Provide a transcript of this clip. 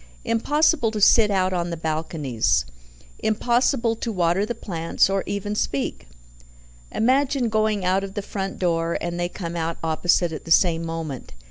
Impossible to sit out on the balconies. Impossible to water the plants, or even speak. Imagine going out of the front door, and they come out opposite at the same moment.